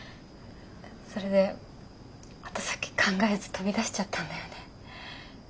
それで後先考えず飛び出しちゃったんだよね。